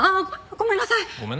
ごめんなさい？